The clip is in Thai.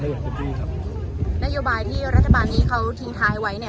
นโยบายที่รัฐบาลนี้ทิ้งทายไว้